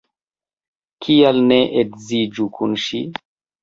Kial ne edziĝu kun ŝi?